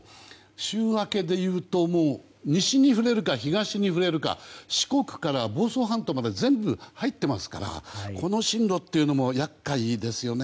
週明けでいうと西に触れるか、東に触れるか四国から房総半島まで全部入っていますからこの進路っていうのも厄介ですよね。